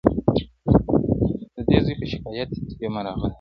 د دې زوی په شکایت یمه راغلې -